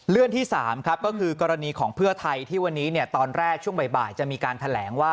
เรื่องที่๓ครับก็คือกรณีของเพื่อไทยที่วันนี้ตอนแรกช่วงบ่ายจะมีการแถลงว่า